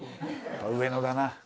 上野だな。